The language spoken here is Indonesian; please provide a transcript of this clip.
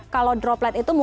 kalau droplet itu